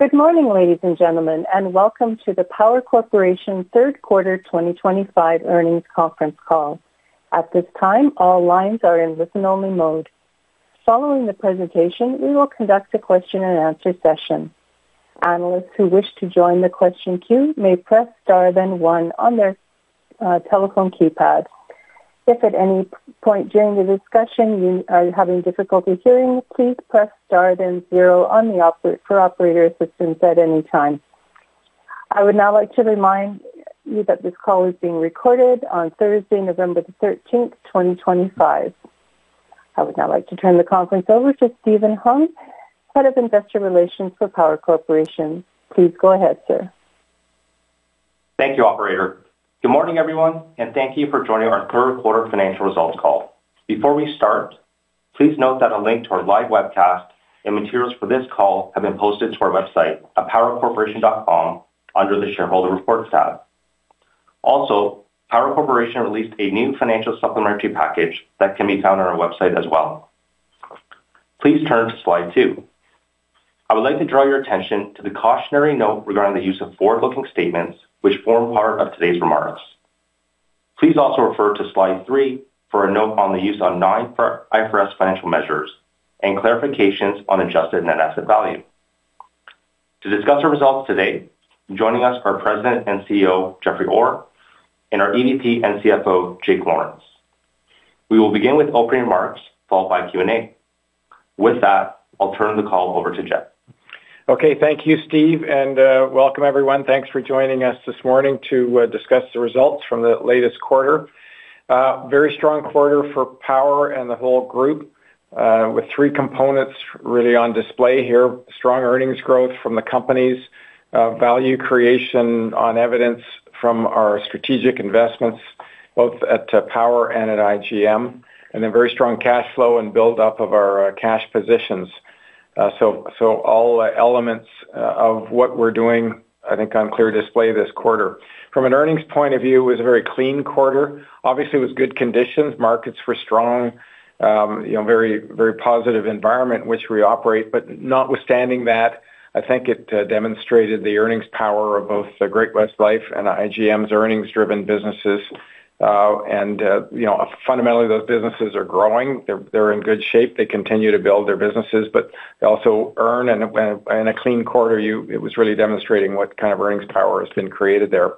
Good morning, ladies and gentlemen, and welcome to the Power Corporation Third Quarter 2025 Earnings Conference Call. At this time, all lines are in listen-only mode. Following the presentation, we will conduct a question-and-answer session. Analysts who wish to join the question queue may press star then one on their telephone keypad. If at any point during the discussion you are having difficulty hearing, please press star then zero for operator assistance at any time. I would now like to remind you that this call is being recorded on Thursday, November the 13th, 2025. I would now like to turn the conference over to Steven Hung, Head of Investor Relations for Power Corporation. Please go ahead, sir. Thank you, Operator. Good morning, everyone, and thank you for joining our Third Quarter Financial Results Call. Before we start, please note that a link to our live webcast and materials for this call have been posted to our website, powercorporation.com, under the Shareholder Reports tab. Also, Power Corporation released a new financial supplementary package that can be found on our website as well. Please turn to slide two. I would like to draw your attention to the cautionary note regarding the use of forward-looking statements, which form part of today's remarks. Please also refer to slide three for a note on the use of non-IFRS financial measures and clarifications on adjusted net asset value. To discuss our results today, joining us are President and CEO Jeffrey Orr and our EVP and CFO, Jake Lawrence. We will begin with opening remarks, followed by Q&A. With that, I'll turn the call over to Jeff. Okay, thank you, Steve, and welcome, everyone. Thanks for joining us this morning to discuss the results from the latest quarter. Very strong quarter for Power and the whole group, with three components really on display here: strong earnings growth from the companies, value creation on evidence from our strategic investments, both at Power and at IGM, and then very strong cash flow and build-up of our cash positions. All elements of what we're doing, I think, on clear display this quarter. From an earnings point of view, it was a very clean quarter. Obviously, it was good conditions. Markets were strong, a very positive environment in which we operate. Notwithstanding that, I think it demonstrated the earnings power of both Great-West Lifeco and IGM's earnings-driven businesses. Fundamentally, those businesses are growing. They're in good shape. They continue to build their businesses, but they also earn. In a clean quarter, it was really demonstrating what kind of earnings power has been created there.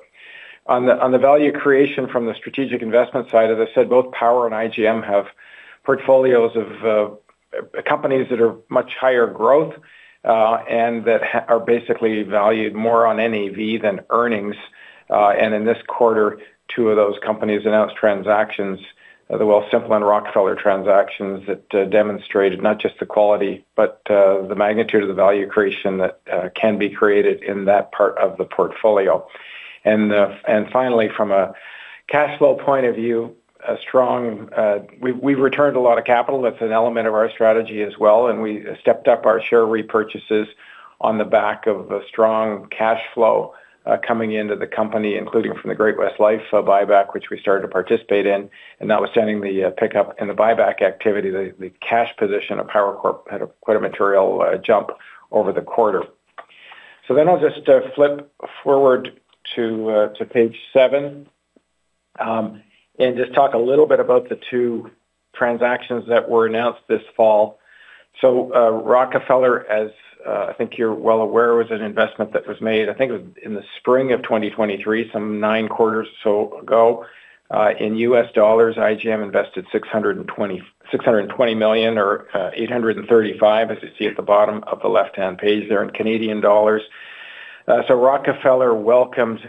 On the value creation from the strategic investment side of this, I said both Power and IGM have portfolios of companies that are much higher growth and that are basically valued more on NAV than earnings. In this quarter, two of those companies announced transactions, the Wealthsimple and Rockefeller transactions, that demonstrated not just the quality, but the magnitude of the value creation that can be created in that part of the portfolio. Finally, from a cash flow point of view, we have returned a lot of capital. That is an element of our strategy as well. We stepped up our share repurchases on the back of strong cash flow coming into the company, including from the Great-West Lifeco buyback, which we started to participate in. That was sending the pickup in the buyback activity, the cash position of Power Corporation had quite a material jump over the quarter. I will just flip forward to page seven and just talk a little bit about the two transactions that were announced this fall. Rockefeller, as I think you are well aware, was an investment that was made, I think it was in the spring of 2023, some nine quarters or so ago. In US dollars, IGM invested 620 million or 835 million, as you see at the bottom of the left-hand page there in Canadian dollars. Rockefeller welcomed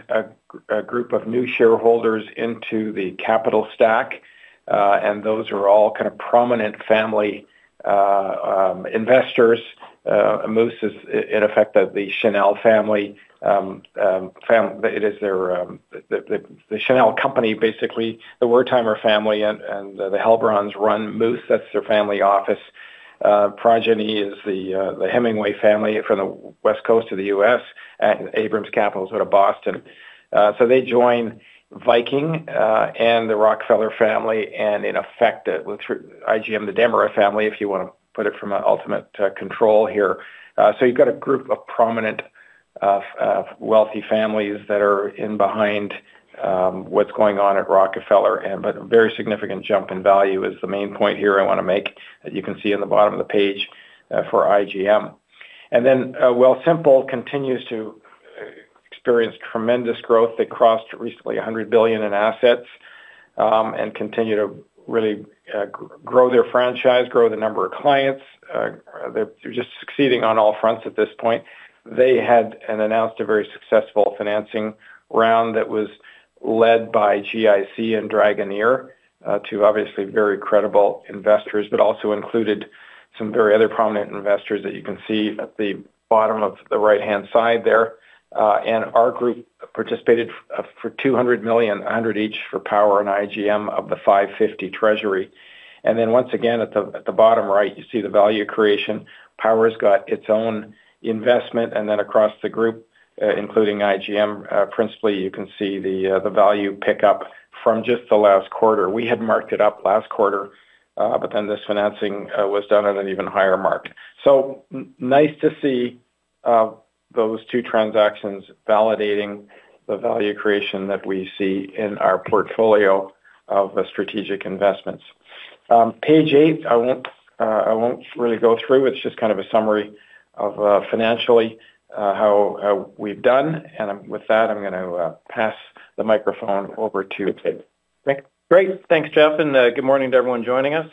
a group of new shareholders into the capital stack, and those are all kind of prominent family investors. Moose is, in effect, the Chanel family. It is their Chanel company, basically the Wertheimer family, and the Helbrands run Moose. That is their family office. Progeny is the Hemingway family from the West Coast of the U.S., and Abrams Capital is out of Boston. They join Viking and the Rockefeller family and, in effect, IGM, the Demira family, if you want to put it from ultimate control here. You have a group of prominent wealthy families that are in behind what's going on at Rockefeller. A very significant jump in value is the main point here I want to make that you can see in the bottom of the page for IGM. Wealthsimple continues to experience tremendous growth. They crossed recently 100 billion in assets and continue to really grow their franchise, grow the number of clients. They're just succeeding on all fronts at this point. They had announced a very successful financing round that was led by GIC and Dragoneer, two obviously very credible investors, but also included some very other prominent investors that you can see at the bottom of the right-hand side there. And our group participated for 200 million, 100 million each for Power and IGM of the 550 million treasury. Once again, at the bottom right, you see the value creation. Power has got its own investment. Across the group, including IGM, principally, you can see the value pickup from just the last quarter. We had marked it up last quarter, but then this financing was done at an even higher mark. Nice to see those two transactions validating the value creation that we see in our portfolio of strategic investments. Page eight, I won't really go through. It's just kind of a summary of financially how we've done. With that, I'm going to pass the microphone over to Jake. Great. Thanks, Jeff. Good morning to everyone joining us.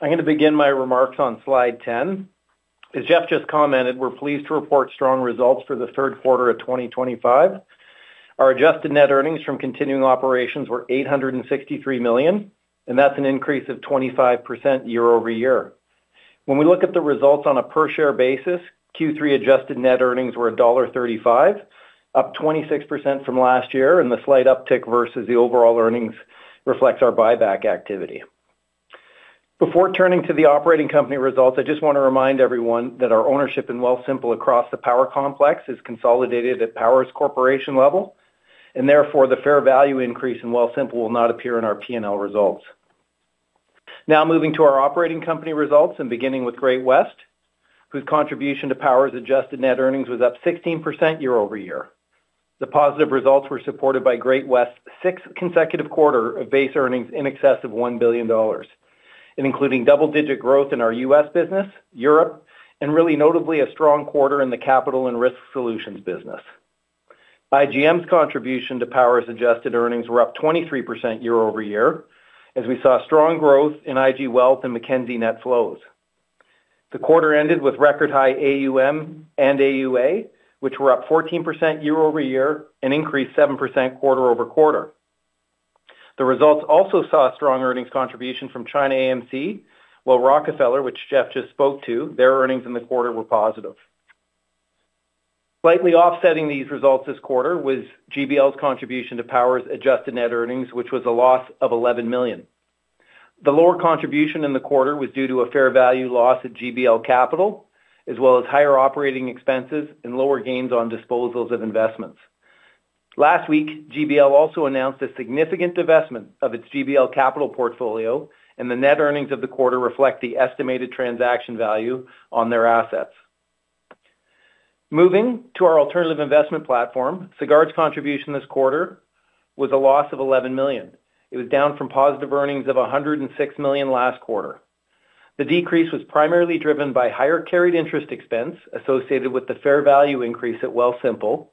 I'm going to begin my remarks on slide 10. As Jeff just commented, we're pleased to report strong results for the third quarter of 2025. Our adjusted net earnings from continuing operations were 863 million, and that's an increase of 25% year over year. When we look at the results on a per-share basis, Q3 adjusted net earnings were dollar 1.35, up 26% from last year. The slight uptick versus the overall earnings reflects our buyback activity. Before turning to the operating company results, I just want to remind everyone that our ownership in Wealthsimple across the Power Complex is consolidated at Power Corporation level. Therefore, the fair value increase in Wealthsimple will not appear in our P&L results. Now moving to our operating company results and beginning with Great-West, whose contribution to Power's adjusted net earnings was up 16% year over year. The positive results were supported by Great-West's sixth consecutive quarter of base earnings in excess of 1 billion dollars, including double-digit growth in our U.S. business, Europe, and really notably a strong quarter in the capital and risk solutions business. IGM's contribution to Power's adjusted earnings was up 23% year over year, as we saw strong growth in IG Wealth and Mackenzie net flows. The quarter ended with record high AUM and AUA, which were up 14% year over year and increased 7% quarter over quarter. The results also saw a strong earnings contribution from China AMC, while Rockefeller, which Jeff just spoke to, their earnings in the quarter were positive. Slightly offsetting these results this quarter was GBL's contribution to Power's adjusted net earnings, which was a loss of 11 million. The lower contribution in the quarter was due to a fair value loss at GBL Capital, as well as higher operating expenses and lower gains on disposals of investments. Last week, GBL also announced a significant divestment of its GBL Capital portfolio, and the net earnings of the quarter reflect the estimated transaction value on their assets. Moving to our alternative investment platform, Sagard's contribution this quarter was a loss of 11 million. It was down from positive earnings of 106 million last quarter. The decrease was primarily driven by higher carried interest expense associated with the fair value increase at Wealthsimple,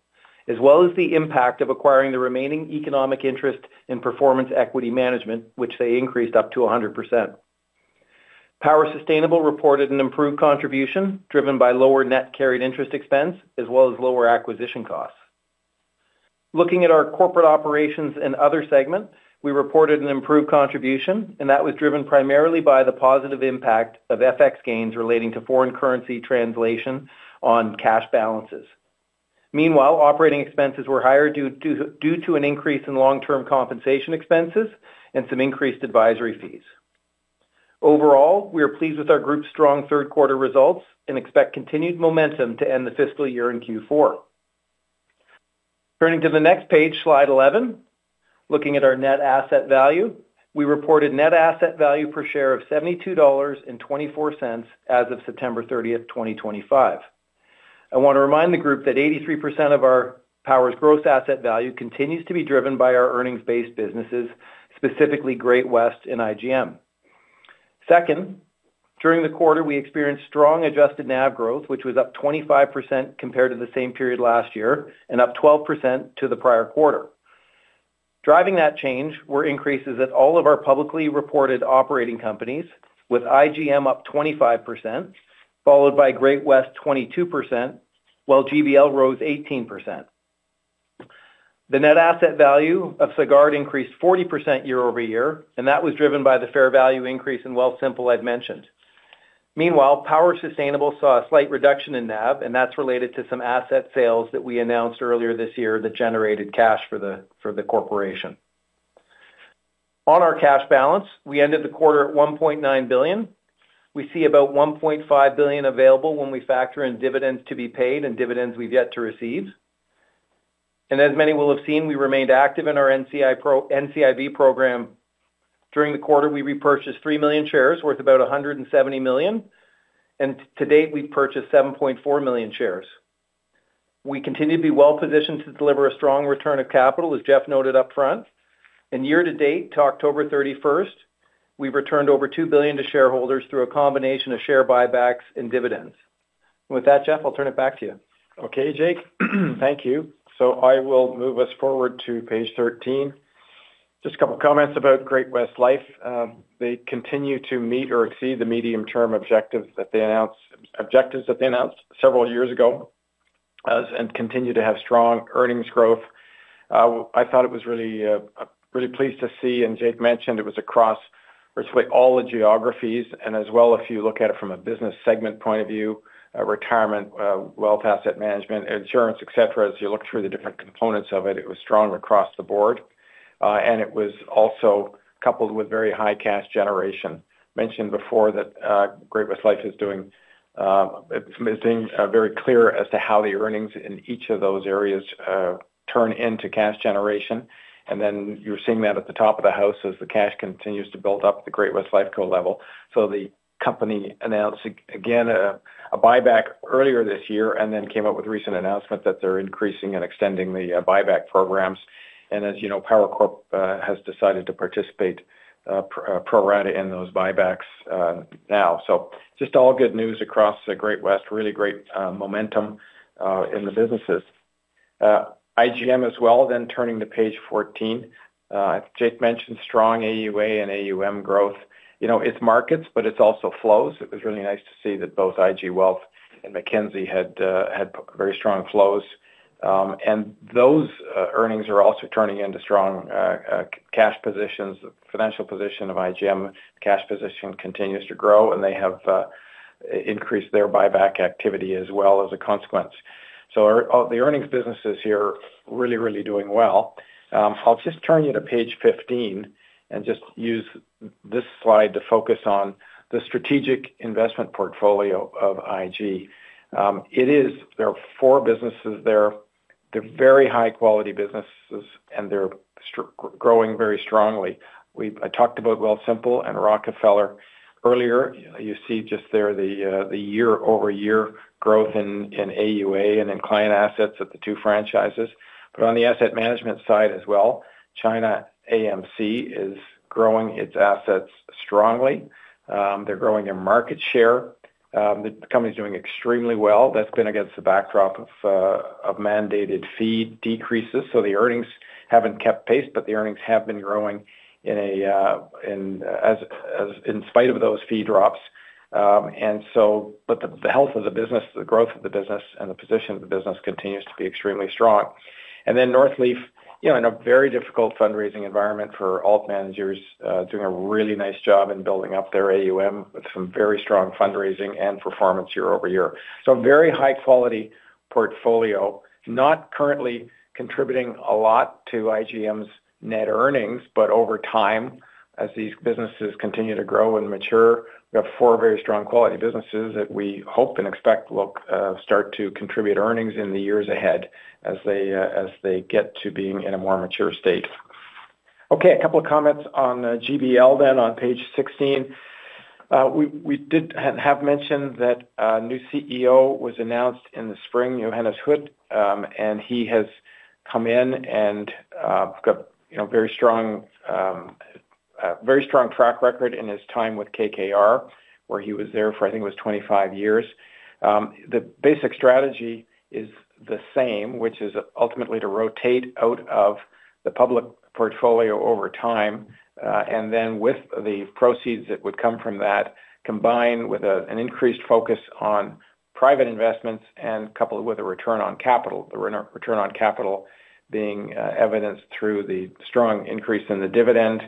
as well as the impact of acquiring the remaining economic interest in Performance Equity Management, which they increased up to 100%. Power Sustainable reported an improved contribution driven by lower net carried interest expense, as well as lower acquisition costs. Looking at our corporate operations and other segment, we reported an improved contribution, and that was driven primarily by the positive impact of FX gains relating to foreign currency translation on cash balances. Meanwhile, operating expenses were higher due to an increase in long-term compensation expenses and some increased advisory fees. Overall, we are pleased with our group's strong third quarter results and expect continued momentum to end the fiscal year in Q4. Turning to the next page, slide 11, looking at our net asset value, we reported net asset value per share of 72.24 dollars as of September 30, 2025. I want to remind the group that 83% of our Power's gross asset value continues to be driven by our earnings-based businesses, specifically Great-West Lifeco and IGM Financial. Second, during the quarter, we experienced strong adjusted NAV growth, which was up 25% compared to the same period last year and up 12% to the prior quarter. Driving that change were increases at all of our publicly reported operating companies, with IGM Financial up 25%, followed by Great-West Lifeco 22%, while GBL rose 18%. The net asset value of Sagard increased 40% year over year, and that was driven by the fair value increase in Wealthsimple I have mentioned. Meanwhile, Power Sustainable saw a slight reduction in NAV, and that's related to some asset sales that we announced earlier this year that generated cash for the corporation. On our cash balance, we ended the quarter at 1.9 billion. We see about 1.5 billion available when we factor in dividends to be paid and dividends we've yet to receive. As many will have seen, we remained active in our NCIB program. During the quarter, we repurchased 3 million shares worth about 170 million. To date, we've purchased 7.4 million shares. We continue to be well positioned to deliver a strong return of capital, as Jeff noted upfront. Year to date, to October 31, we've returned over 2 billion to shareholders through a combination of share buybacks and dividends. With that, Jeff, I'll turn it back to you. Okay, Jake. Thank you. I will move us forward to page 13. Just a couple of comments about Great-West Lifeco. They continue to meet or exceed the medium-term objectives that they announced several years ago and continue to have strong earnings growth. I thought it was really pleasing to see, and Jake mentioned it was across virtually all the geographies. As well, if you look at it from a business segment point of view, retirement, wealth asset management, insurance, etc., as you look through the different components of it, it was strong across the board. It was also coupled with very high cash generation. Mentioned before that Great-West Lifeco is being very clear as to how the earnings in each of those areas turn into cash generation. You're seeing that at the top of the house as the cash continues to build up at the Great-West Lifeco level. The company announced again a buyback earlier this year and then came up with a recent announcement that they're increasing and extending the buyback programs. As you know, Power Corporation has decided to participate pro-rata in those buybacks now. Just all good news across Great-West, really great momentum in the businesses. IGM as well, then turning to page 14. I think Jake mentioned strong AUA and AUM growth. It's markets, but it's also flows. It was really nice to see that both IG Wealth and Mackenzie had very strong flows. Those earnings are also turning into strong cash positions. The financial position of IGM, cash position continues to grow, and they have increased their buyback activity as well as a consequence. The earnings businesses here are really, really doing well. I'll just turn you to page 15 and just use this slide to focus on the strategic investment portfolio of IG. There are four businesses there. They're very high-quality businesses, and they're growing very strongly. I talked about Wealthsimple and Rockefeller earlier. You see just there the year-over-year growth in AUA and in client assets at the two franchises. On the asset management side as well, China AMC is growing its assets strongly. They're growing in market share. The company's doing extremely well. That's been against the backdrop of mandated fee decreases. The earnings haven't kept pace, but the earnings have been growing in spite of those fee drops. The health of the business, the growth of the business, and the position of the business continues to be extremely strong. Northleaf, in a very difficult fundraising environment for alt managers, is doing a really nice job in building up their AUM with some very strong fundraising and performance year over year. A very high-quality portfolio, not currently contributing a lot to IGM's net earnings, but over time, as these businesses continue to grow and mature, we have four very strong quality businesses that we hope and expect will start to contribute earnings in the years ahead as they get to being in a more mature state. Okay, a couple of comments on GBL then on page 16. We did have mention that a new CEO was announced in the spring, Johannes Hutt, and he has come in and got a very strong track record in his time with KKR, where he was there for, I think it was 25 years. The basic strategy is the same, which is ultimately to rotate out of the public portfolio over time. With the proceeds that would come from that, combined with an increased focus on private investments and coupled with a return on capital, the return on capital being evidenced through the strong increase in the dividend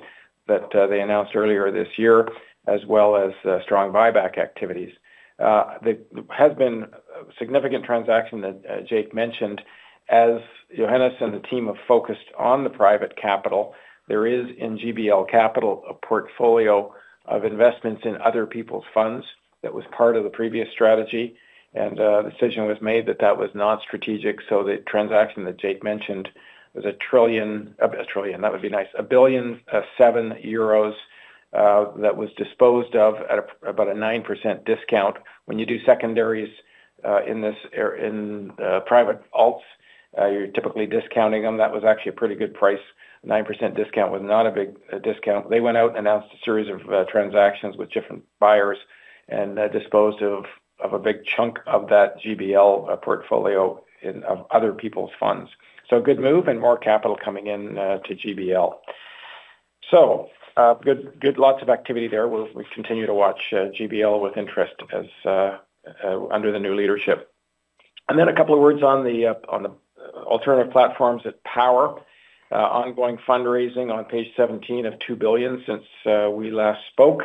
that they announced earlier this year, as well as strong buyback activities. There has been a significant transaction that Jake mentioned. As Johannes and the team have focused on the private capital, there is in GBL Capital a portfolio of investments in other people's funds that was part of the previous strategy. The decision was made that that was not strategic. The transaction that Jake mentioned was a trillion, a trillion, that would be nice, a billion of seven euros that was disposed of at about a 9% discount. When you do secondaries in private alts, you're typically discounting them. That was actually a pretty good price. 9% discount was not a big discount. They went out and announced a series of transactions with different buyers and disposed of a big chunk of that GBL portfolio of other people's funds. A good move and more capital coming into GBL. Good, lots of activity there. We'll continue to watch GBL with interest under the new leadership. A couple of words on the alternative platforms at Power. Ongoing fundraising on page 17 of 2 billion since we last spoke.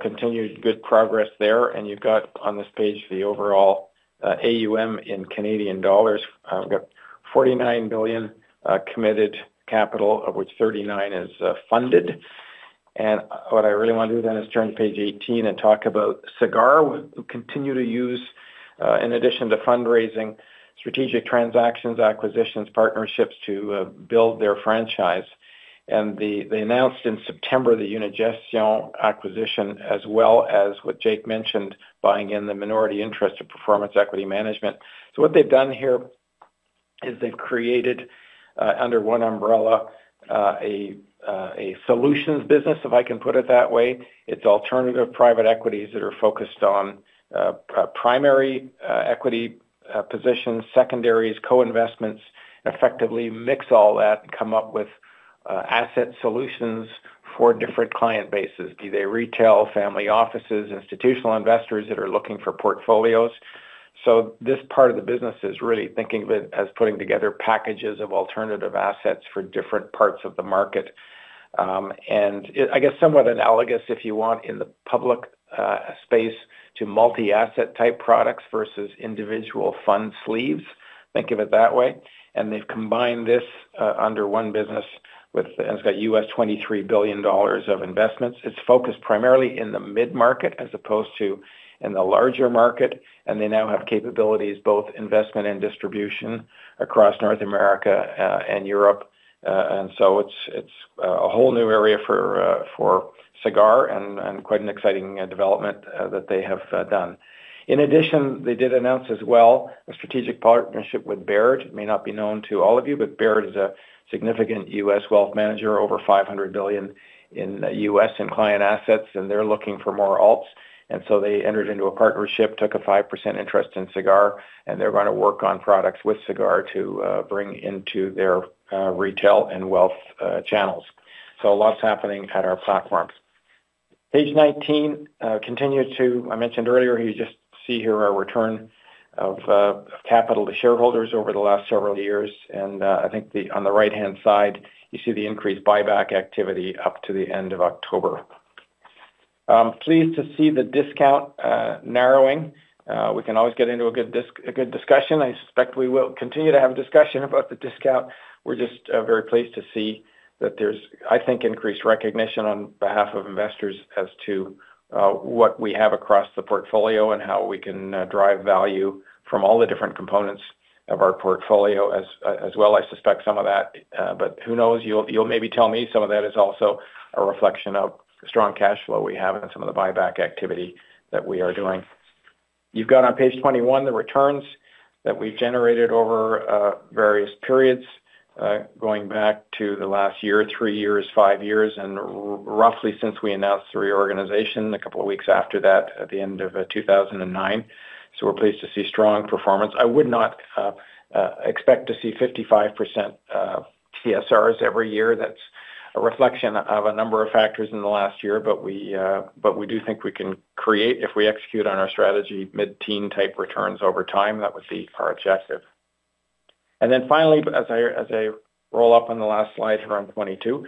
Continued good progress there. You have on this page the overall AUM in Canadian dollars. We have 49 billion committed capital, of which 39 billion is funded. What I really want to do then is turn to page 18 and talk about Sagard, who continue to use, in addition to fundraising, strategic transactions, acquisitions, partnerships to build their franchise. They announced in September the Unigestion acquisition, as well as what Jake mentioned, buying in the minority interest of Performance Equity Management. What they have done here is they have created, under one umbrella, a solutions business, if I can put it that way. It is alternative private equities that are focused on primary equity positions, secondaries, co-investments, and effectively mix all that and come up with asset solutions for different client bases. Be they retail, family offices, institutional investors that are looking for portfolios. This part of the business is really thinking of it as putting together packages of alternative assets for different parts of the market. I guess somewhat analogous, if you want, in the public space, to multi-asset type products versus individual fund sleeves. Think of it that way. They have combined this under one business with, and it has 23 billion dollars of investments. It is focused primarily in the mid-market as opposed to in the larger market. They now have capabilities, both investment and distribution, across North America and Europe. It is a whole new area for Sagard and quite an exciting development that they have done. In addition, they did announce as well a strategic partnership with Baird. It may not be known to all of you, but Baird is a significant US wealth manager, over 500 billion in US client assets, and they are looking for more alts. They entered into a partnership, took a 5% interest in Sagard, and they are going to work on products with Sagard to bring into their retail and wealth channels. A lot is happening at our platforms. Page 19 continues to, I mentioned earlier, you just see here our return of capital to shareholders over the last several years. I think on the right-hand side, you see the increased buyback activity up to the end of October. Pleased to see the discount narrowing. We can always get into a good discussion. I suspect we will continue to have a discussion about the discount. We are just very pleased to see that there is, I think, increased recognition on behalf of investors as to what we have across the portfolio and how we can drive value from all the different components of our portfolio, as well as I suspect some of that. But who knows? You'll maybe tell me some of that is also a reflection of strong cash flow we have and some of the buyback activity that we are doing. You've got on page 21 the returns that we've generated over various periods going back to the last year, three years, five years, and roughly since we announced the reorganization a couple of weeks after that at the end of 2009. So we're pleased to see strong performance. I would not expect to see 55% TSRs every year. That's a reflection of a number of factors in the last year, but we do think we can create, if we execute on our strategy, mid-teen type returns over time. That would be our objective. Finally, as I roll up on the last slide here on 22,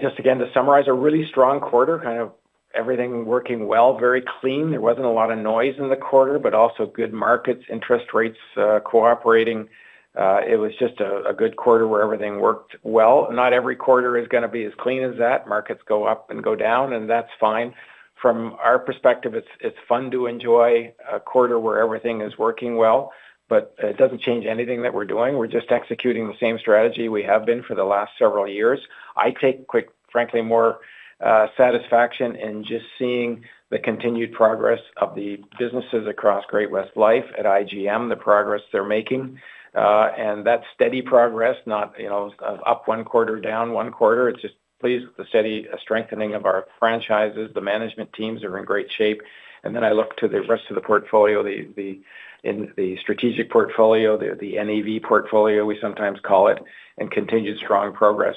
just again to summarize, a really strong quarter, kind of everything working well, very clean. There was not a lot of noise in the quarter, but also good markets, interest rates cooperating. It was just a good quarter where everything worked well. Not every quarter is going to be as clean as that. Markets go up and go down, and that's fine. From our perspective, it's fun to enjoy a quarter where everything is working well, but it does not change anything that we're doing. We're just executing the same strategy we have been for the last several years. I take, frankly, more satisfaction in just seeing the continued progress of the businesses across Great-West Lifeco at IGM, the progress they're making. That steady progress, not of up one quarter, down one quarter, just pleased with the steady strengthening of our franchises. The management teams are in great shape. I look to the rest of the portfolio, the strategic portfolio, the NEV portfolio, we sometimes call it, and continued strong progress.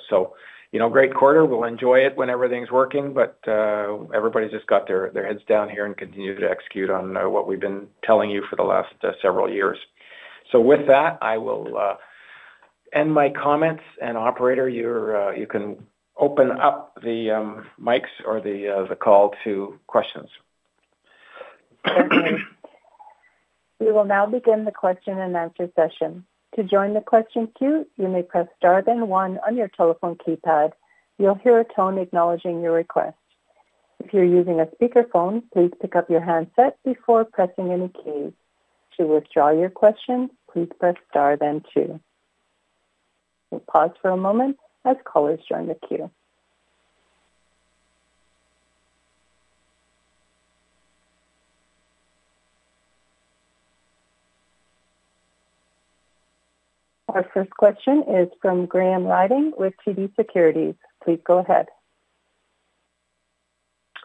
Great quarter. We'll enjoy it when everything's working, but everybody's just got their heads down here and continue to execute on what we've been telling you for the last several years. With that, I will end my comments. Operator, you can open up the mics or the call to questions. We will now begin the question and answer session. To join the question queue, you may press star then one on your telephone keypad. You'll hear a tone acknowledging your request. If you're using a speakerphone, please pick up your handset before pressing any keys. To withdraw your question, please press star then two. We'll pause for a moment as callers join the queue. Our first question is from Graham Ryding with TD Securities. Please go ahead.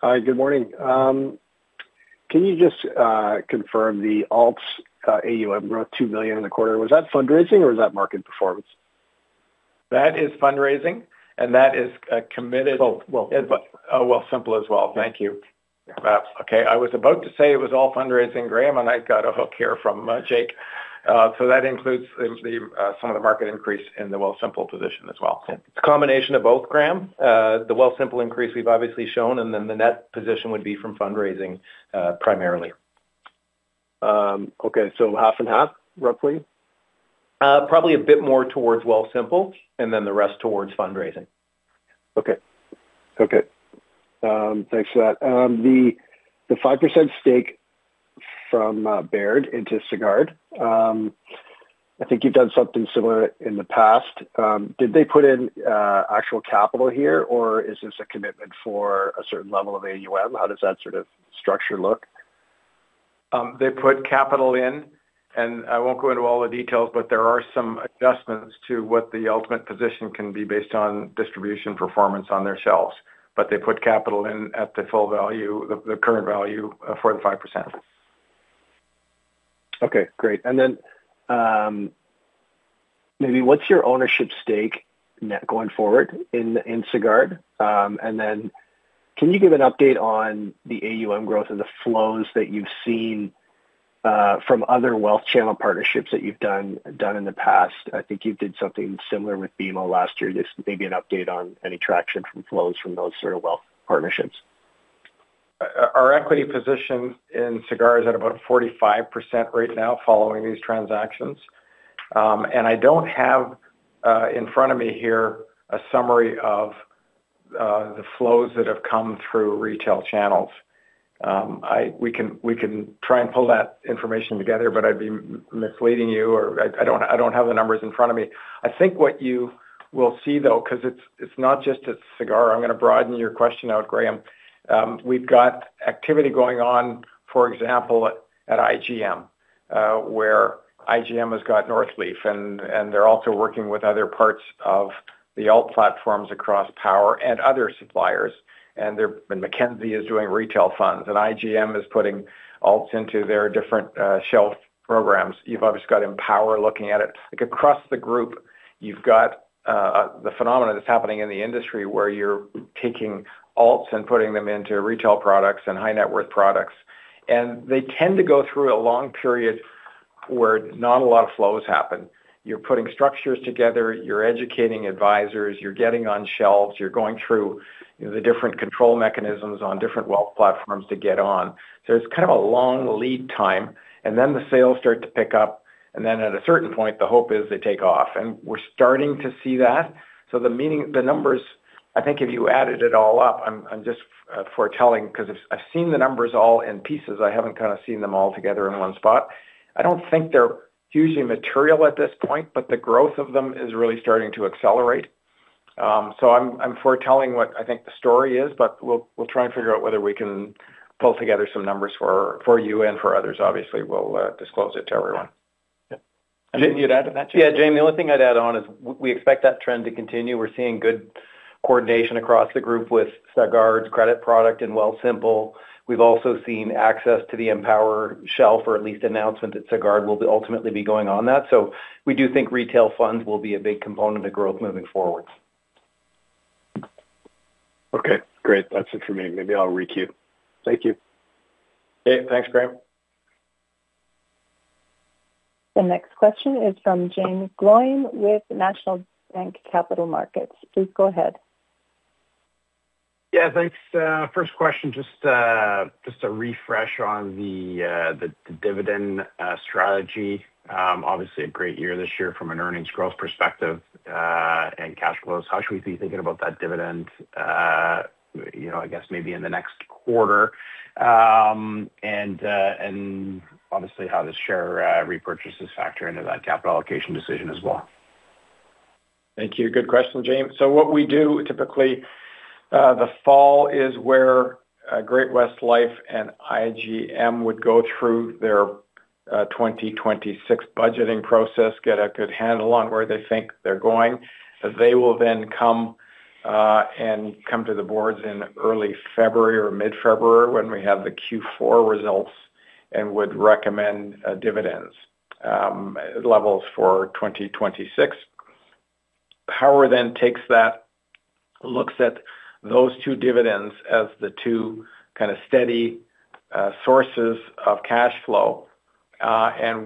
Hi, good morning. Can you just confirm the alts AUM growth 2 billion in the quarter? Was that fundraising or was that market performance? That is fundraising, and that is committed. Both. Simple as well. Thank you. Okay. I was about to say it was all fundraising. Graham and I got a hook here from Jake. That includes some of the market increase in the Wealthsimple position as well. It's a combination of both, Graham. The Wealthsimple increase we've obviously shown, and then the net position would be from fundraising primarily. Okay. So half and half, roughly? Probably a bit more towards Wealthsimple and then the rest towards fundraising. Okay. Okay. Thanks for that. The 5% stake from Baird into Sagard, I think you've done something similar in the past. Did they put in actual capital here, or is this a commitment for a certain level of AUM? How does that sort of structure look? They put capital in, and I won't go into all the details, but there are some adjustments to what the ultimate position can be based on distribution performance on their shelves. They put capital in at the full value, the current value for the 5%. Okay. Great. Maybe what's your ownership stake going forward in Sagard? Can you give an update on the AUM growth and the flows that you've seen from other wealth channel partnerships that you've done in the past? I think you did something similar with Baird last year. Just maybe an update on any traction from flows from those sort of wealth partnerships. Our equity position in Sagard is at about 45% right now following these transactions. I do not have in front of me here a summary of the flows that have come through retail channels. We can try and pull that information together, but I would be misleading you, or I do not have the numbers in front of me. I think what you will see, though, because it is not just at Sagard, I am going to broaden your question out, Graham. We have got activity going on, for example, at IGM, where IGM has got Northleaf, and they are also working with other parts of the alt platforms across Power and other suppliers. Mackenzie is doing retail funds, and IGM is putting alts into their different shelf programs. You have obviously got Empower looking at it. Across the group, you've got the phenomena that's happening in the industry where you're taking alts and putting them into retail products and high-net-worth products. They tend to go through a long period where not a lot of flows happen. You're putting structures together. You're educating advisors. You're getting on shelves. You're going through the different control mechanisms on different wealth platforms to get on. There's kind of a long lead time, and then the sales start to pick up. At a certain point, the hope is they take off. We're starting to see that. The numbers, I think if you added it all up, I'm just foretelling because I've seen the numbers all in pieces. I haven't kind of seen them all together in one spot. I don't think they're hugely material at this point, but the growth of them is really starting to accelerate. I'm foretelling what I think the story is, but we'll try and figure out whether we can pull together some numbers for you and for others. Obviously, we'll disclose it to everyone. Yeah. Jake, you'd add to that? Yeah, Jeff, the only thing I'd add on is we expect that trend to continue. We're seeing good coordination across the group with Sagard's credit product and Wealthsimple. We've also seen access to the Empower shelf, or at least announcement that Sagard will ultimately be going on that. We do think retail funds will be a big component of growth moving forward. Okay. Great. That's it for me. Maybe I'll re-queue. Thank you. Okay. Thanks, Graham. The next question is from James Gloyne with National Bank Capital Markets. Please go ahead. Yeah. Thanks. First question, just a refresh on the dividend strategy. Obviously, a great year this year from an earnings growth perspective and cash flows. How should we be thinking about that dividend, I guess, maybe in the next quarter? Obviously, how does share repurchases factor into that capital allocation decision as well? Thank you. Good question, James. What we do typically, the fall is where Great-West Lifeco and IGM would go through their 2026 budgeting process, get a good handle on where they think they are going. They will then come and come to the boards in early February or mid-February when we have the Q4 results and would recommend dividend levels for 2026. Power then takes that, looks at those two dividends as the two kind of steady sources of cash flow.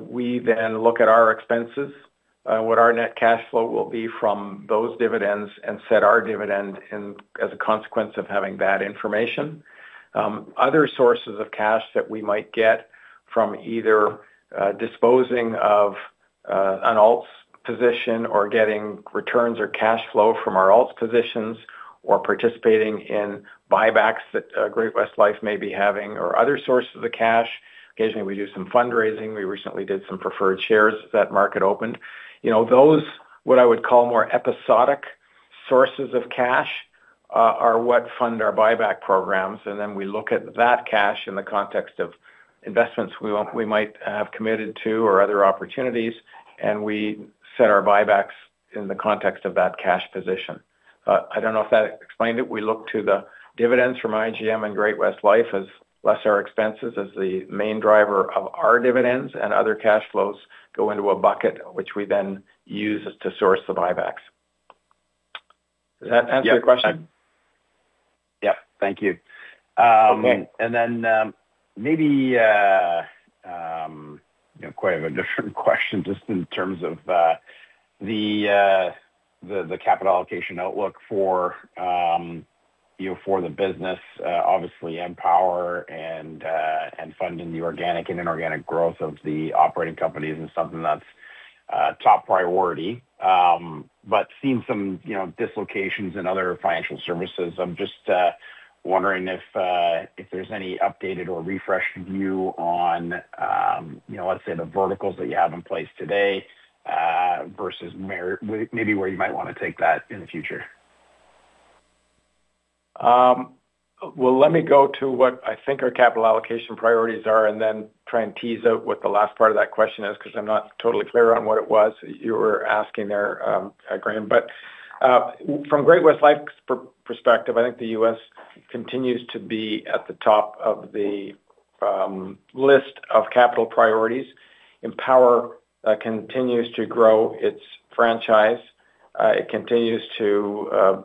We then look at our expenses, what our net cash flow will be from those dividends, and set our dividend as a consequence of having that information. Other sources of cash that we might get from either disposing of an alt position or getting returns or cash flow from our alt positions or participating in buybacks that Great-West Lifeco may be having or other sources of cash. Occasionally, we do some fundraising. We recently did some preferred shares that market opened. Those, what I would call more episodic sources of cash, are what fund our buyback programs. We look at that cash in the context of investments we might have committed to or other opportunities, and we set our buybacks in the context of that cash position. I do not know if that explained it. We look to the dividends from IGM and Great-West Lifeco as lesser expenses as the main driver of our dividends and other cash flows go into a bucket, which we then use to source the buybacks. Does that answer your question? Yeah. Thank you. Maybe quite a different question just in terms of the capital allocation outlook for the business. Obviously, Empower and funding the organic and inorganic growth of the operating companies is something that's top priority. Seeing some dislocations in other financial services, I'm just wondering if there's any updated or refreshed view on, let's say, the verticals that you have in place today versus maybe where you might want to take that in the future. Let me go to what I think our capital allocation priorities are and then try and tease out what the last part of that question is because I'm not totally clear on what it was you were asking there, Graham. From Great-West Lifeco's perspective, I think the U.S. continues to be at the top of the list of capital priorities. Empower continues to grow its franchise. It continues to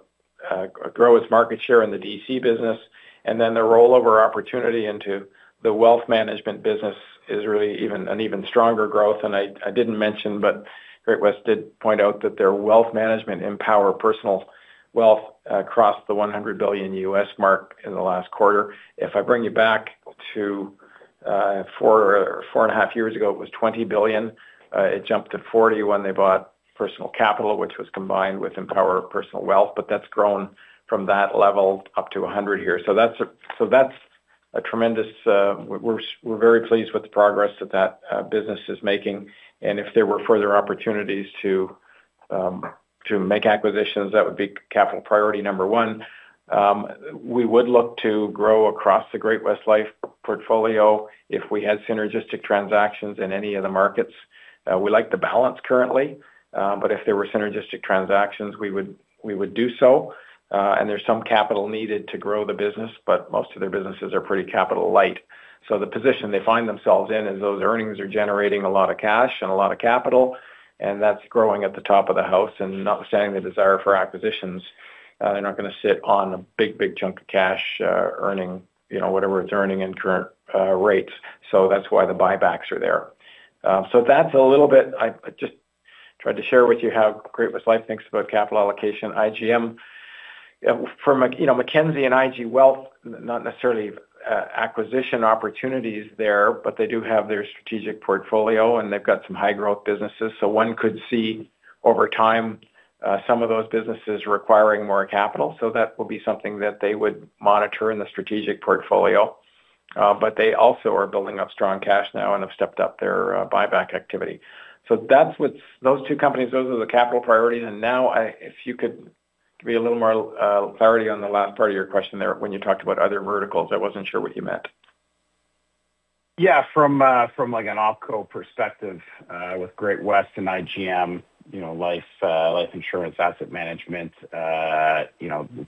grow its market share in the DC business. The rollover opportunity into the wealth management business is really an even stronger growth. I didn't mention, but Great-West did point out that their wealth management, Empower, personal wealth crossed the 100 billion mark in the last quarter. If I bring you back to four and a half years ago, it was 20 billion. It jumped to 40 when they bought Personal Capital, which was combined with Empower personal wealth. That has grown from that level up to 100 here. That is a tremendous, we are very pleased with the progress that that business is making. If there were further opportunities to make acquisitions, that would be capital priority number one. We would look to grow across the Great-West Lifeco portfolio if we had synergistic transactions in any of the markets. We like the balance currently, but if there were synergistic transactions, we would do so. There is some capital needed to grow the business, but most of their businesses are pretty capital-light. The position they find themselves in is those earnings are generating a lot of cash and a lot of capital, and that is growing at the top of the house, notwithstanding the desire for acquisitions. They're not going to sit on a big, big chunk of cash earning whatever it's earning in current rates. That's why the buybacks are there. That's a little bit, I just tried to share with you how Great-West Lifeco thinks about capital allocation. IGM, from Mackenzie and IG Wealth, not necessarily acquisition opportunities there, but they do have their strategic portfolio, and they've got some high-growth businesses. One could see over time some of those businesses requiring more capital. That will be something that they would monitor in the strategic portfolio. They also are building up strong cash now and have stepped up their buyback activity. Those two companies, those are the capital priorities. If you could give me a little more clarity on the last part of your question there when you talked about other verticals, I wasn't sure what you meant. Yeah. From an opco perspective with Great-West and IGM, life insurance, asset management, it's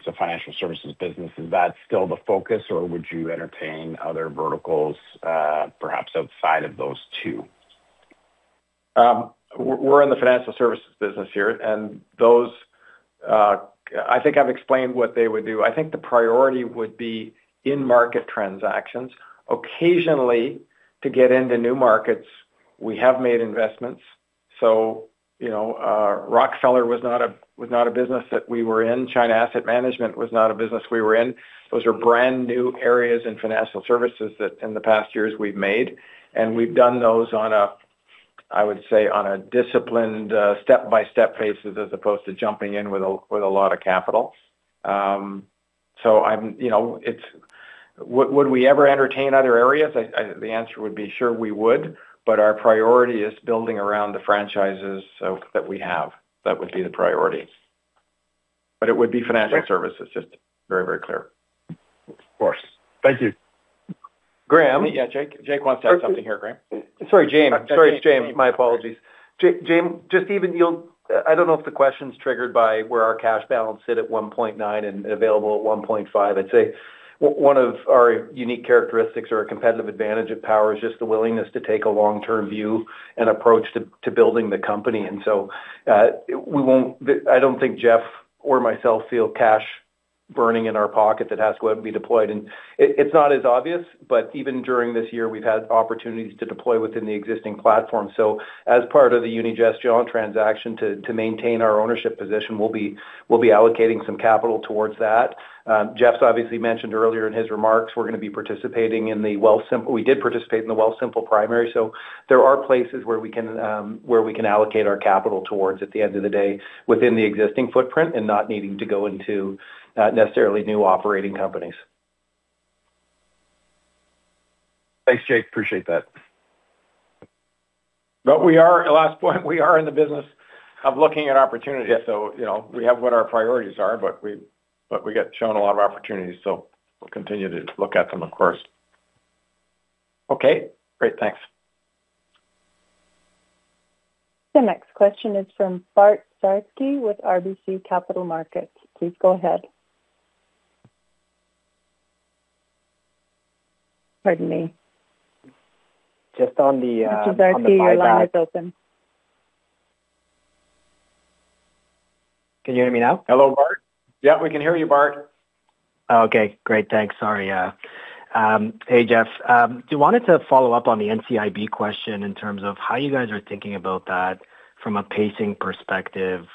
a financial services business. Is that still the focus, or would you entertain other verticals perhaps outside of those two? We're in the financial services business here, and those I think I've explained what they would do. I think the priority would be in-market transactions. Occasionally, to get into new markets, we have made investments. Rockefeller was not a business that we were in. China Asset Management was not a business we were in. Those are brand new areas in financial services that in the past years we've made. We've done those on a, I would say, on a disciplined step-by-step basis as opposed to jumping in with a lot of capital. Would we ever entertain other areas? The answer would be sure we would, but our priority is building around the franchises that we have. That would be the priority. It would be financial services, just very, very clear. Of course. Thank you. Graham? Yeah. Jake wants to add something here, Graham. Sorry, James. I'm sorry, James. My apologies. James, just even I do not know if the question's triggered by where our cash balance sit at 1.9 billion and available at 1.5 billion. I'd say one of our unique characteristics or a competitive advantage at Power is just the willingness to take a long-term view and approach to building the company. I do not think Jeff or myself feel cash burning in our pocket that has to be deployed. It is not as obvious, but even during this year, we've had opportunities to deploy within the existing platform. As part of the Unigestion transaction to maintain our ownership position, we will be allocating some capital towards that. Jeff obviously mentioned earlier in his remarks, we are going to be participating in the Wealthsimple. We did participate in the Wealthsimple primary. There are places where we can allocate our capital towards at the end of the day within the existing footprint and not needing to go into necessarily new operating companies. Thanks, Jake. Appreciate that. Last point, we are in the business of looking at opportunity. So we have what our priorities are, but we get shown a lot of opportunities. So we'll continue to look at them, of course. Okay. Great. Thanks. The next question is from Bart Dziarski with RBC Capital Markets. Please go ahead. Pardon me. Just on the. This is our PR line is open. Can you hear me now? Hello, Bart? Yeah, we can hear you, Bart. Okay. Great. Thanks. Sorry. Hey, Jeff. So wanted to follow up on the NCIB question in terms of how you guys are thinking about that from a pacing perspective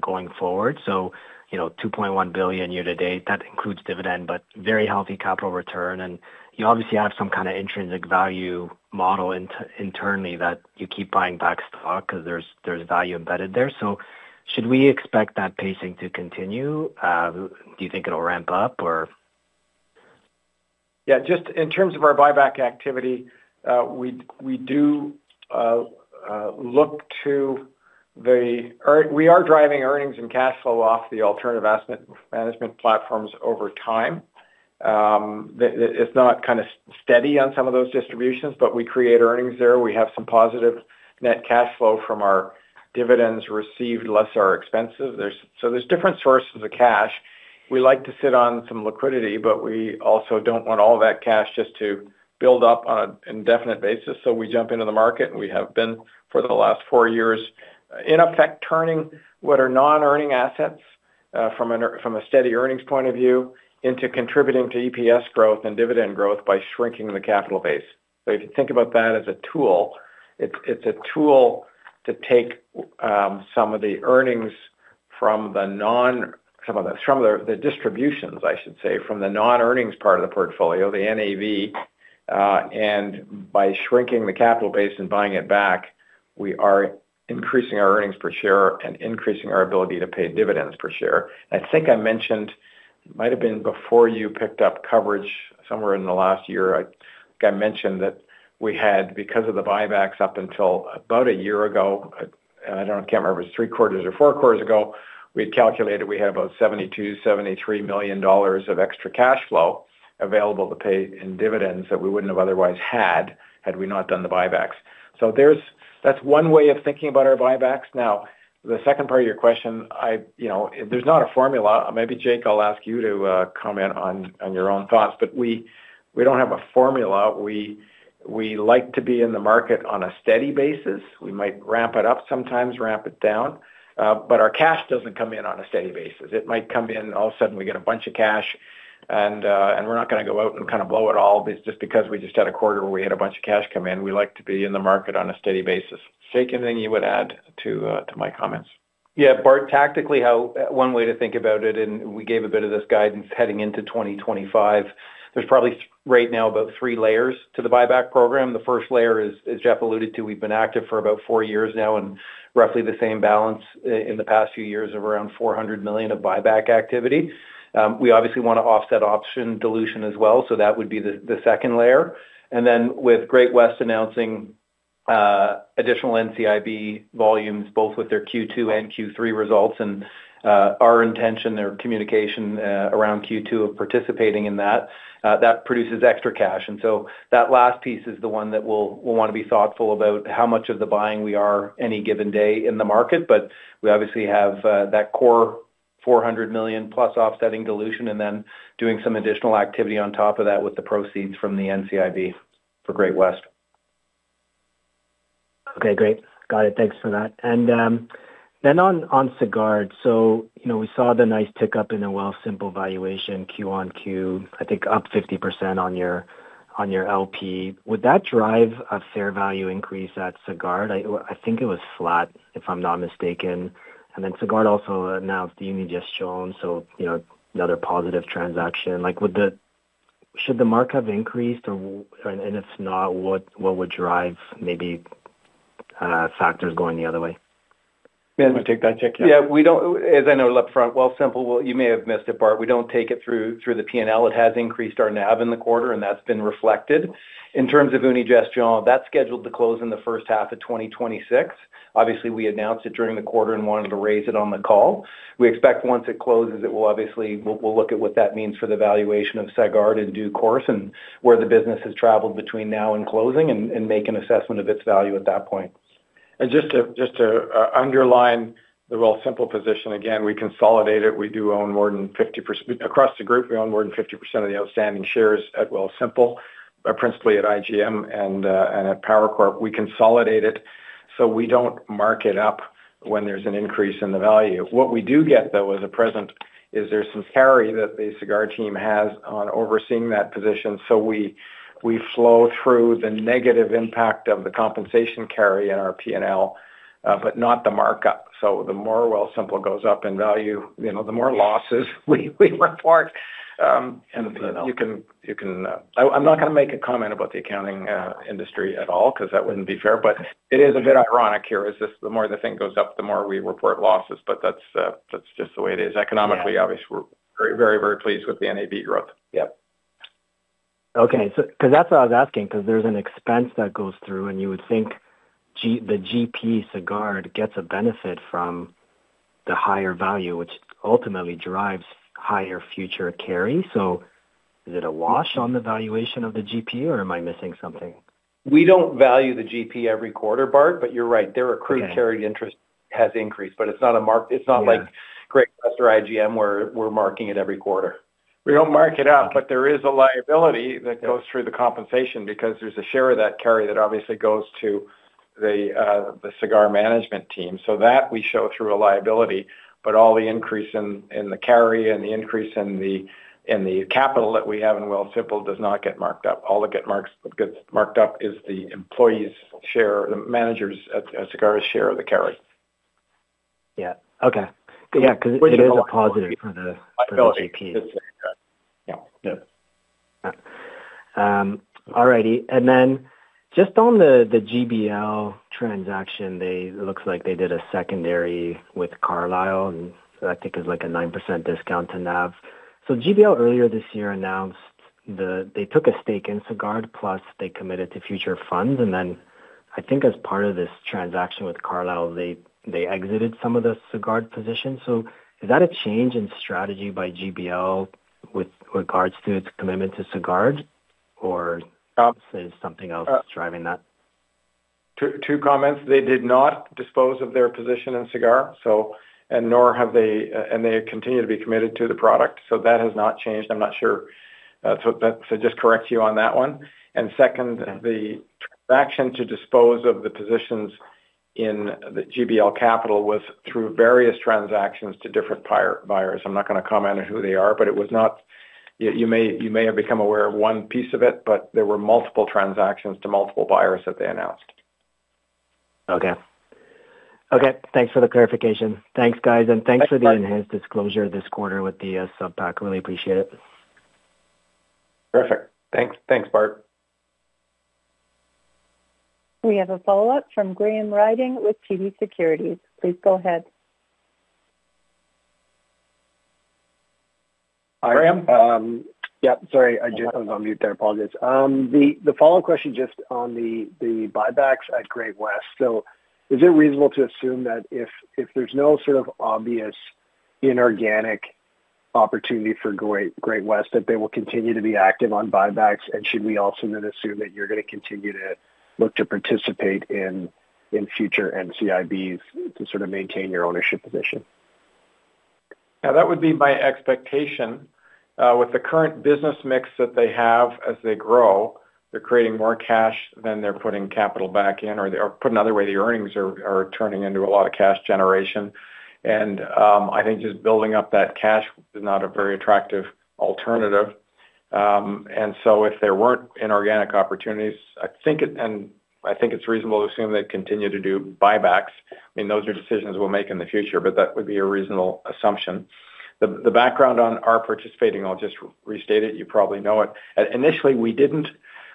going forward. So 2.1 billion year to date, that includes dividend, but very healthy capital return. And you obviously have some kind of intrinsic value model internally that you keep buying back stock because there's value embedded there. Should we expect that pacing to continue? Do you think it'll ramp up, or? Yeah. Just in terms of our buyback activity, we do look to the we are driving earnings and cash flow off the alternative asset management platforms over time. It's not kind of steady on some of those distributions, but we create earnings there. We have some positive net cash flow from our dividends received less our expenses. So there's different sources of cash. We like to sit on some liquidity, but we also do not want all that cash just to build up on an indefinite basis. We jump into the market, and we have been for the last four years in effect turning what are non-earning assets from a steady earnings point of view into contributing to EPS growth and dividend growth by shrinking the capital base. If you think about that as a tool, it is a tool to take some of the earnings from the non—some of the distributions, I should say, from the non-earnings part of the portfolio, the NAV. By shrinking the capital base and buying it back, we are increasing our earnings per share and increasing our ability to pay dividends per share. I think I mentioned it might have been before you picked up coverage somewhere in the last year. I think I mentioned that we had, because of the buybacks up until about a year ago—I cannot remember if it was three quarters or four quarters ago—we had calculated we had about 72 million-73 million dollars of extra cash flow available to pay in dividends that we would not have otherwise had had we not done the buybacks. That is one way of thinking about our buybacks. Now, the second part of your question, there is not a formula. Maybe, Jake, I will ask you to comment on your own thoughts. We do not have a formula. We like to be in the market on a steady basis. We might ramp it up sometimes, ramp it down. Our cash does not come in on a steady basis. It might come in all of a sudden, we get a bunch of cash, and we're not going to go out and kind of blow it all just because we just had a quarter where we had a bunch of cash come in. We like to be in the market on a steady basis. Jake, anything you would add to my comments? Yeah. Bart, tactically, one way to think about it, and we gave a bit of this guidance heading into 2025, there's probably right now about three layers to the buyback program. The first layer is, as Jeff alluded to, we've been active for about four years now and roughly the same balance in the past few years of around 400 million of buyback activity. We obviously want to offset option dilution as well. That would be the second layer. With Great-West announcing additional NCIB volumes, both with their Q2 and Q3 results, and our intention, their communication around Q2 of participating in that, that produces extra cash. That last piece is the one that we'll want to be thoughtful about how much of the buying we are any given day in the market. We obviously have that core 400 million plus offsetting dilution and then doing some additional activity on top of that with the proceeds from the NCIB for Great-West. Okay. Great. Got it. Thanks for that. And then on Sagard, we saw the nice tick up in the Wealthsimple valuation, Q on Q, I think up 50% on your LP. Would that drive a fair value increase at Sagard? I think it was flat, if I'm not mistaken. And then Sagard also announced the Unigestion, so another positive transaction. Should the mark have increased, and if not, what would drive maybe factors going the other way? Yeah. Take that, Jake. Yeah. As I know upfront, Wealthsimple, you may have missed it, Bart, we do not take it through the P&L. It has increased our NAV in the quarter, and that has been reflected. In terms of Unigestion, that is scheduled to close in the first half of 2026. Obviously, we announced it during the quarter and wanted to raise it on the call. We expect once it closes, we will obviously look at what that means for the valuation of Sagard in due course and where the business has traveled between now and closing and make an assessment of its value at that point. Just to underline the Wealthsimple position, again, we consolidate it. We do own more than 50% across the group. We own more than 50% of the outstanding shares at Wealthsimple, principally at IGM and at Power Corporation. We consolidate it so we do not mark it up when there is an increase in the value. What we do get, though, as of present, is there is some carry that the Sagard team has on overseeing that position. We flow through the negative impact of the compensation carry in our P&L, but not the markup. The more Wealthsimple goes up in value, the more losses we report. I am not going to make a comment about the accounting industry at all because that would not be fair. It is a bit ironic here. The more the thing goes up, the more we report losses. That is just the way it is. Economically, obviously, we are very, very pleased with the NAV growth. Yep. Okay. Because that's what I was asking, because there's an expense that goes through, and you would think the GP Sagard gets a benefit from the higher value, which ultimately drives higher future carry. Is it a wash on the valuation of the GP, or am I missing something? We don't value the GP every quarter, Bart, but you're right. Their accrued carry interest has increased, but it's not like Great-West or IGM where we're marking it every quarter. We don't mark it up, but there is a liability that goes through the compensation because there's a share of that carry that obviously goes to the Sagard management team. So that we show through a liability, but all the increase in the carry and the increase in the capital that we have in Wealthsimple does not get marked up. All that gets marked up is the employees' share, the managers' Sagard share of the carry. Yeah. Okay. Yeah. Because it is a positive for the GP. I feel it. Yeah. All righty. Then just on the GBL transaction, it looks like they did a secondary with Carlyle, and I think it was like a 9% discount to NAV. GBL earlier this year announced they took a stake in Sagard, plus they committed to future funds. Then I think as part of this transaction with Carlyle, they exited some of the Sagard positions. Is that a change in strategy by GBL with regards to its commitment to Sagard, or is something else driving that? Two comments. They did not dispose of their position in Sagard, and nor have they—and they continue to be committed to the product. So that has not changed. I'm not sure. So just correct you on that one. And second, the transaction to dispose of the positions in the GBL Capital was through various transactions to different buyers. I'm not going to comment on who they are, but it was not—you may have become aware of one piece of it, but there were multiple transactions to multiple buyers that they announced. Okay. Okay. Thanks for the clarification. Thanks, guys. Thanks for the enhanced disclosure this quarter with the subpac. Really appreciate it. Perfect. Thanks. Thanks, Bart. We have a follow-up from Graham Ryding with TD Securities. Please go ahead. Hi, Graham. Yeah. Sorry. I just was on mute there. Apologies. The follow-up question just on the buybacks at Great-West. Is it reasonable to assume that if there is no sort of obvious inorganic opportunity for Great-West, that they will continue to be active on buybacks? Should we also then assume that you are going to continue to look to participate in future NCIBs to sort of maintain your ownership position? Now, that would be my expectation. With the current business mix that they have as they grow, they're creating more cash than they're putting capital back in, or put another way, the earnings are turning into a lot of cash generation. I think just building up that cash is not a very attractive alternative. If there were not inorganic opportunities, I think it's reasonable to assume they'd continue to do buybacks. I mean, those are decisions we'll make in the future, but that would be a reasonable assumption. The background on our participating, I'll just restate it. You probably know it. Initially, we did not.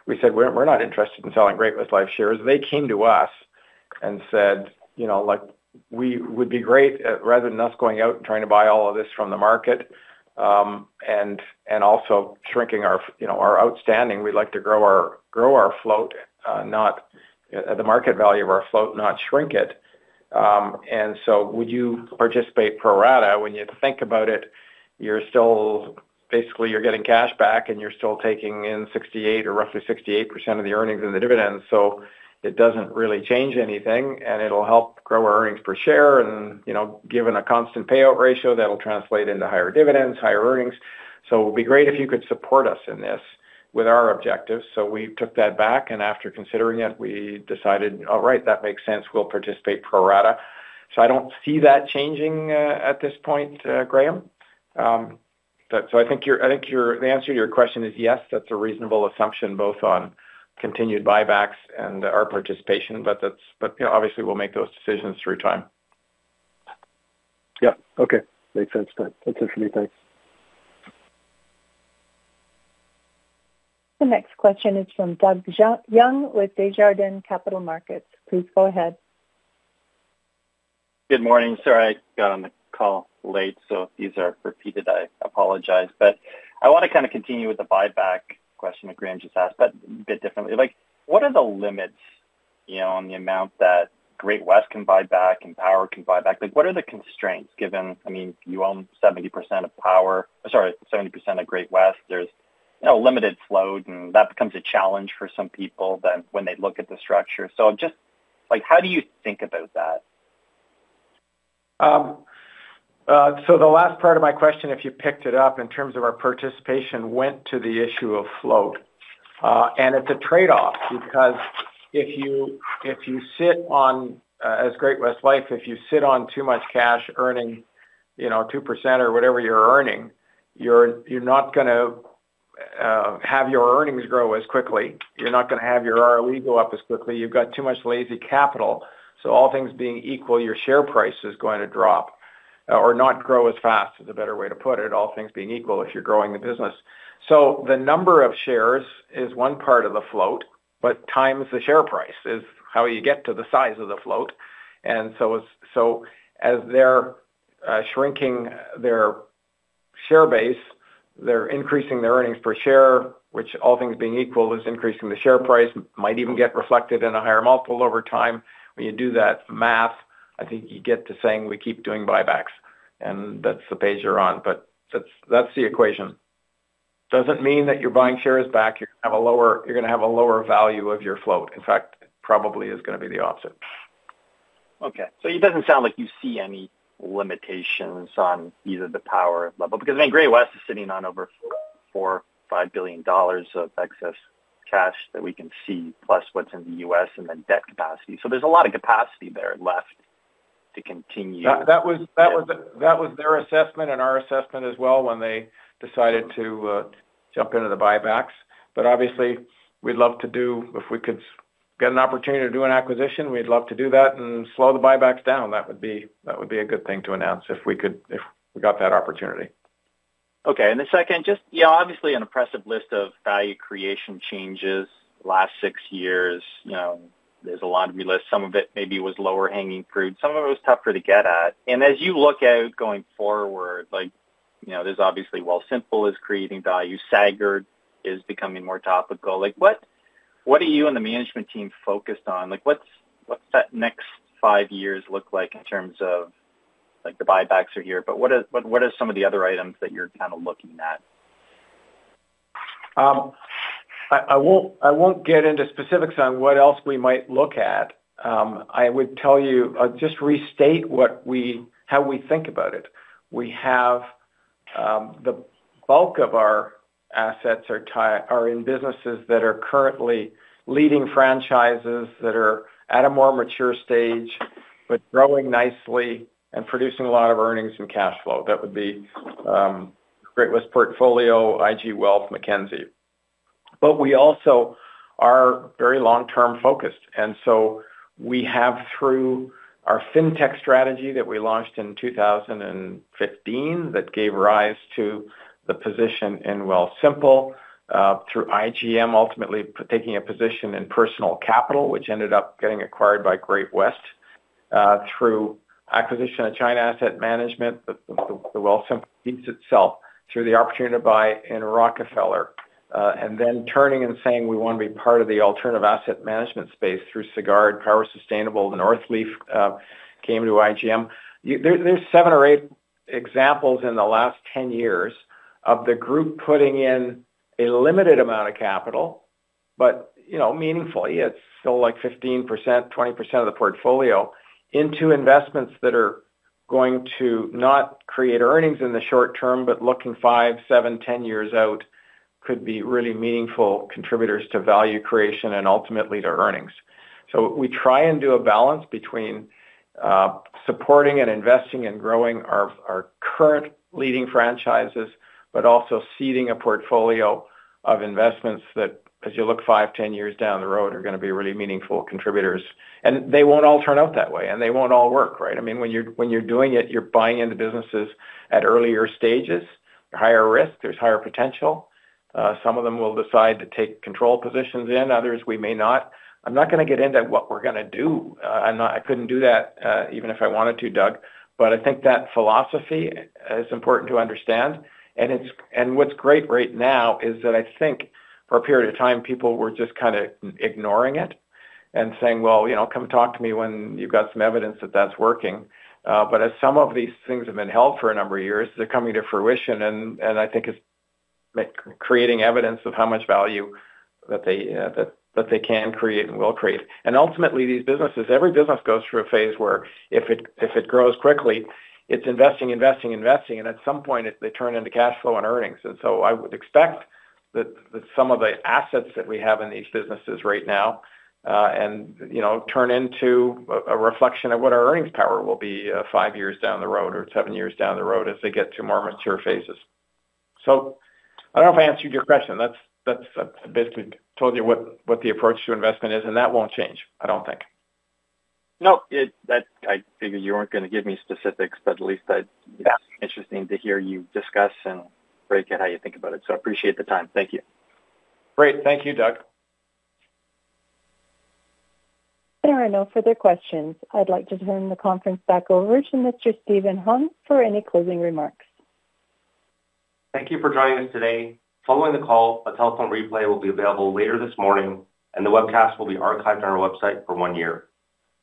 We said, "We're not interested in selling Great-West Lifeco shares." They came to us and said, "We would be great rather than us going out and trying to buy all of this from the market and also shrinking our outstanding. We'd like to grow our float, not the market value of our float, not shrink it. Would you participate for a rata? When you think about it, you're still basically getting cash back, and you're still taking in 68% or roughly 68% of the earnings and the dividends. It doesn't really change anything, and it'll help grow our earnings per share. Given a constant payout ratio, that'll translate into higher dividends, higher earnings. It would be great if you could support us in this with our objectives. We took that back, and after considering it, we decided, all right, that makes sense. We'll participate for a rata. I don't see that changing at this point, Graham. I think the answer to your question is yes, that's a reasonable assumption both on continued buybacks and our participation. Obviously, we'll make those decisions through time. Yeah. Okay. Makes sense. That's it for me. Thanks. The next question is from Doug Young with Desjardins Capital Markets. Please go ahead. Good morning. Sorry, I got on the call late, so if these are repeated, I apologize. I want to kind of continue with the buyback question that Graham just asked, but a bit differently. What are the limits on the amount that Great-West can buy back and Power can buy back? What are the constraints given, I mean, you own 70% of Great-West. There is limited float, and that becomes a challenge for some people when they look at the structure. Just how do you think about that? The last part of my question, if you picked it up, in terms of our participation, went to the issue of float. It is a trade-off because if you sit on, as Great-West Lifeco, if you sit on too much cash earning 2% or whatever you are earning, you are not going to have your earnings grow as quickly. You are not going to have your ROE go up as quickly. You have got too much lazy capital. All things being equal, your share price is going to drop or not grow as fast is a better way to put it. All things being equal, if you are growing the business. The number of shares is one part of the float, but times the share price is how you get to the size of the float. As they're shrinking their share base, they're increasing their earnings per share, which, all things being equal, is increasing the share price. It might even get reflected in a higher multiple over time. When you do that math, I think you get to saying we keep doing buybacks. That's the page you're on. That's the equation. It does not mean that you're buying shares back, you're going to have a lower value of your float. In fact, it probably is going to be the opposite. Okay. So it doesn't sound like you see any limitations on either the Power level because, I mean, Great-West is sitting on over 4 billion-5 billion dollars of excess cash that we can see, plus what's in the U.S. and the debt capacity. So there's a lot of capacity there left to continue. That was their assessment and our assessment as well when they decided to jump into the buybacks. Obviously, we'd love to do, if we could get an opportunity to do an acquisition, we'd love to do that and slow the buybacks down. That would be a good thing to announce if we got that opportunity. Okay. The second, just obviously an impressive list of value creation changes last six years. There is a lot to be listed. Some of it maybe was lower-hanging fruit. Some of it was tougher to get at. As you look out going forward, there is obviously Wealthsimple is creating value. Sagard is becoming more topical. What are you and the management team focused on? What does that next five years look like in terms of the buybacks are here, but what are some of the other items that you are kind of looking at? I won't get into specifics on what else we might look at. I would tell you, just restate how we think about it. We have the bulk of our assets are in businesses that are currently leading franchises that are at a more mature stage, but growing nicely and producing a lot of earnings and cash flow. That would be Great-West Lifeco, IG Wealth, Mackenzie. We also are very long-term focused. We have, through our fintech strategy that we launched in 2015, that gave rise to the position in Wealthsimple through IGM, ultimately taking a position in Personal Capital, which ended up getting acquired by Great-West through acquisition of China AMC, the Wealthsimple piece itself, through the opportunity to buy in Rockefeller, and then turning and saying we want to be part of the alternative asset management space through Sagard, Power Sustainable, Northleaf came to IGM. There are seven or eight examples in the last 10 years of the group putting in a limited amount of capital, but meaningfully. It is still like 15%-20% of the portfolio into investments that are not going to create earnings in the short term, but looking 5, 7, 10 years out, could be really meaningful contributors to value creation and ultimately to earnings. We try and do a balance between supporting and investing and growing our current leading franchises, but also seeding a portfolio of investments that, as you look 5, 10 years down the road, are going to be really meaningful contributors. They will not all turn out that way, and they will not all work, right? I mean, when you are doing it, you are buying into businesses at earlier stages. They are higher risk. There is higher potential. Some of them we will decide to take control positions in. Others, we may not. I am not going to get into what we are going to do. I could not do that even if I wanted to, Doug. I think that philosophy is important to understand. What is great right now is that I think for a period of time, people were just kind of ignoring it and saying, "Well, come talk to me when you have got some evidence that that is working." As some of these things have been held for a number of years, they are coming to fruition, and I think it is creating evidence of how much value that they can create and will create. Ultimately, these businesses, every business goes through a phase where if it grows quickly, it is investing, investing, investing, and at some point, they turn into cash flow and earnings. I would expect that some of the assets that we have in these businesses right now turn into a reflection of what our earnings power will be five years down the road or seven years down the road as they get to more mature phases. I don't know if I answered your question. That's basically told you what the approach to investment is, and that won't change, I don't think. No, I figured you were not going to give me specifics, but at least it is interesting to hear you discuss and break it, how you think about it. I appreciate the time. Thank you. Great. Thank you, Doug. There are no further questions. I'd like to turn the conference back over to Mr. Steven Hung for any closing remarks. Thank you for joining us today. Following the call, a telephone replay will be available later this morning, and the webcast will be archived on our website for one year.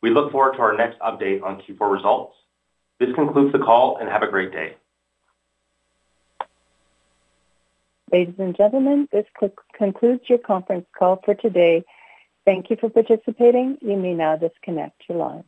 We look forward to our next update on Q4 results. This concludes the call, and have a great day. Ladies and gentlemen, this concludes your conference call for today. Thank you for participating. You may now disconnect your line.